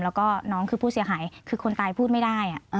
แล้วก็น้องคือผู้เสียหายคือคนตายพูดไม่ได้